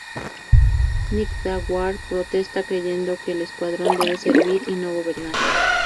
Nighthawk protesta, creyendo que el Escuadrón debe servir y no gobernar.